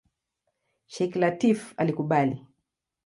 Sheikh Lateef alikubali.